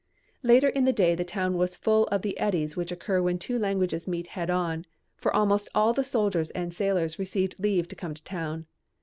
Later in the day the town was full of the eddies which occur when two languages meet head on, for almost all the soldiers and sailors received leave to come to town.